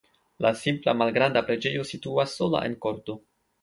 La simpla malgranda preĝejo situas sola en korto.